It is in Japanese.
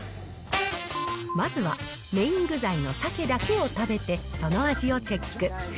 まずはメイン具材のさけだけを食べて、その味をチェック。